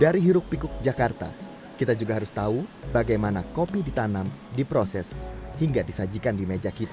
dari hiruk pikuk jakarta kita juga harus tahu bagaimana kopi ditanam diproses hingga disajikan di meja kita